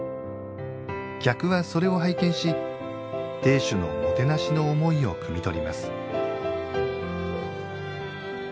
客はそれを拝見し亭主のもてなしの思いをくみ取ります。